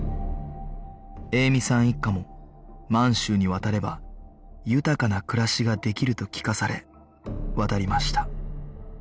栄美さん一家も満州に渡れば豊かな暮らしができると聞かされ渡りました